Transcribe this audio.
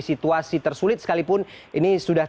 situasi tersulit sekalipun ini sudah